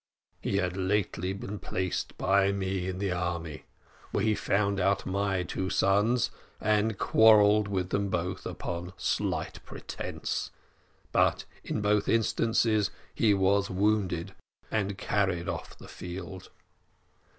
"He had lately been placed by me in the army, where he found out my two sons, and quarrelled with them both upon slight pretence; but, in both instances, he was wounded and carried off the field.